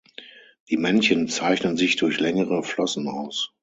Die Männchen zeichnen sich durch längere Flossen aus.